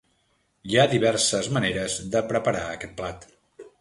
Hi ha diverses maneres de preparar aquest plat.